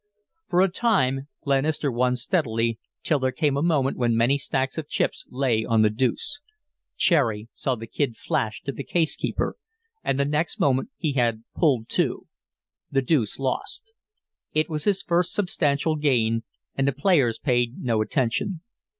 For a time Glenister won steadily till there came a moment when many stacks of chips lay on the deuce. Cherry saw the Kid "flash" to the case keeper, and the next moment he had "pulled two." The deuce lost. It was his first substantial gain, and the players paid no attention.